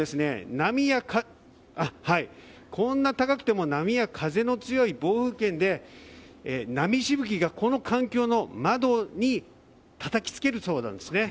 こんな高くても波や風の強い暴風圏で波しぶきがこの艦橋の窓にたたき付けるそうなんですね。